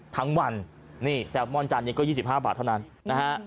ทั้งวันนี่แซมอนจานยังก็ยี่สิบห้าบาทเท่านั้นนะฮะ